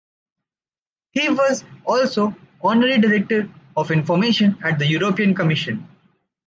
He was also Honorary Director of Information at the European Commission.